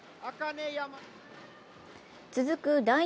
続く第２